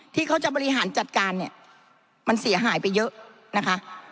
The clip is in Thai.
ที่เขาจะบริหารจัดการเนี่ยมันเสียหายไปเยอะนะคะ